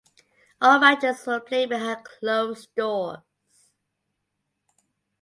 All matches were played behind closed doors.